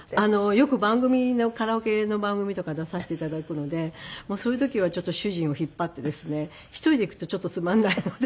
よく番組のカラオケの番組とか出させて頂くのでそういう時はちょっと主人を引っ張ってですね１人で行くとちょっとつまんないので。